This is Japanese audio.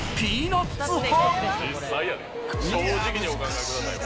実際やで正直にお考えください。